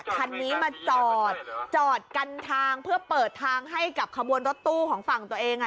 คันนี้มาจอดจอดกันทางเพื่อเปิดทางให้กับขบวนรถตู้ของฝั่งตัวเอง